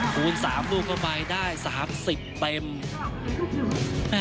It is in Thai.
คูณสามลูกต่อไปได้สามสิบเต็ม